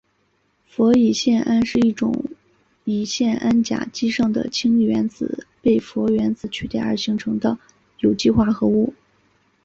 氟乙酰胺是一种乙酰胺甲基上的氢原子被氟原子取代而成的有机化合物。